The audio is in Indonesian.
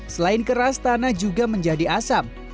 selain keras tanah juga menjadi asam